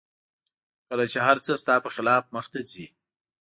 کله چې هر څه ستا په خلاف مخته ځي